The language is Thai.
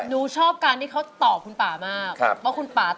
หนูชอบการที่เขาตอบคุณป๊ามากครับ